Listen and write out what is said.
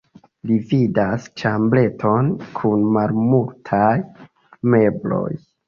Li vidas ĉambreton kun malmultaj mebloj.